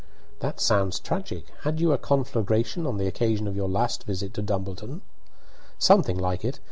"That sounds tragic. Had you a conflagration on the occasion of your last visit to Dumbleton?" "Something like it.